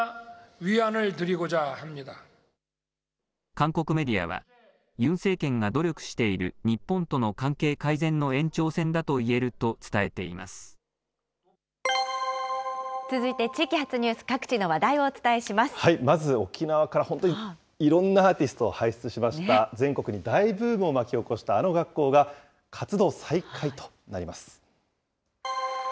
韓国メディアは、ユン政権が努力している日本との関係改善の延長線だといえると伝続いて地域発ニュース、まず沖縄から、本当にいろんなアーティストを輩出しました、全国に大ブームを巻き起こしたあの学校が活動再開となります。